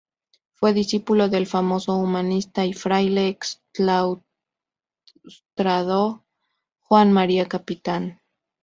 Fue discípulo del famoso humanista y fraile exclaustrado Juan María Capitán.